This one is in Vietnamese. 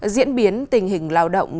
diễn biến tình hình lao động